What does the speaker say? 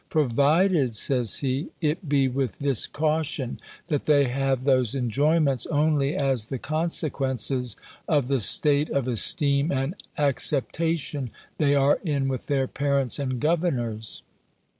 "Provided," says he, "it be with this caution, that they have those enjoyments only as the consequences of the state of esteem and acceptation they are in with their parents and governors."